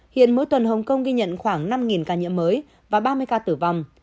hiện mỗi tuần hồng kông ghi nhận khoảng năm ca nhiễm mới và ba mươi ca tử vong